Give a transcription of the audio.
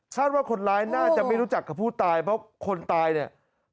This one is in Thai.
ว่าคนร้ายน่าจะไม่รู้จักกับผู้ตายเพราะคนตายเนี่ย